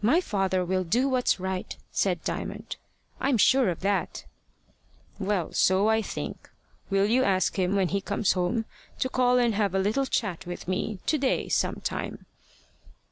"My father will do what's right," said Diamond. "I'm sure of that." "Well, so I think. Will you ask him when he comes home to call and have a little chat with me to day, some time?"